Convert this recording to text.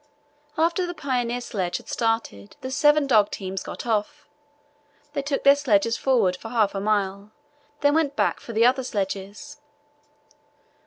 After the pioneer sledge had started the seven dog teams got off. They took their sledges forward for half a mile, then went back for the other sledges.